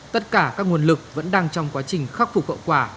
tất cả các nguồn lực vẫn đang trong quá trình khắc phục hậu quả